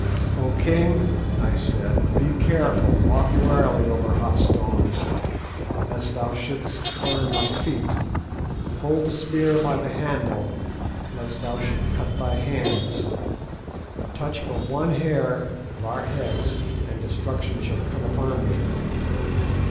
"O king," I said, "be careful, walk warily over hot stones, lest thou shouldst burn thy feet; hold the spear by the handle, lest thou should cut thy hands. Touch but one hair of our heads, and destruction shall come upon thee.